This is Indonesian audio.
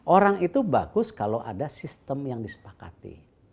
orang itu bagus kalau ada sistem yang disepakati